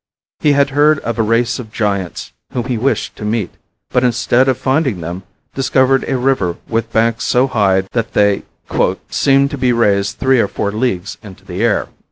He heard of a race of giants whom he wished to meet, but instead of finding them discovered a river with banks so high that they "seemed to be raised three or four leagues into the air."